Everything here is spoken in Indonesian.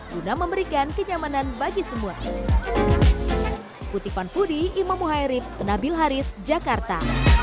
guna memberikan kenyamanan bagi semua